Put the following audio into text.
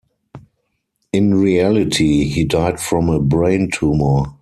In reality, he died from a brain tumor.